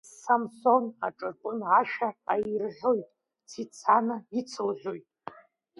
Самсон аҿарпын ашәа аирҳәоит, Цицана ицылҳәоит.